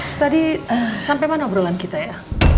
mas tadi sampai mana obrolan kita ya